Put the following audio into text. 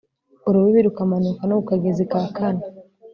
urubibi rukamanuka no ku kagezi ka kana